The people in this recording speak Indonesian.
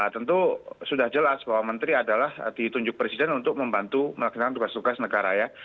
tentu sudah jelas bahwa menteri adalah ditunjuk presiden untuk membantu melaksanakan tugas tugas negara ya